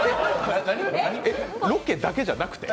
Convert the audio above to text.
ロケだけじゃなくて！？